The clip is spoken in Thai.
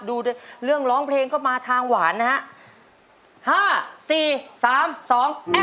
ดูเรื่องร้องเพลงก็มาทางหวานนะฮะ